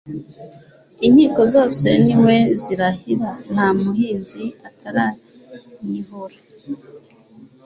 Inkiko zose ni we zirahiraNta muhinza ataranihura